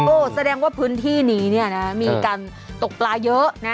แสดงว่าพื้นที่นี้เนี่ยนะมีการตกปลาเยอะนะ